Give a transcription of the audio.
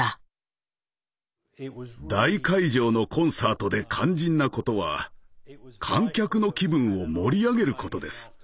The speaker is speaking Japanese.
大会場のコンサートで肝心なことは観客の気分を盛り上げることです。